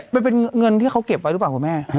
มันเป็นเงินที่เขาเก็บไว้หรือเปล่าคุณแม่